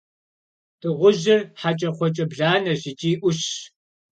Дыгъужьыр – хьэкӏэкхъуэкӏэ бланэщ икӏи ӏущщ.